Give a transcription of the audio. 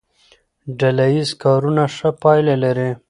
ډله ییز کارونه ښه پایله لري.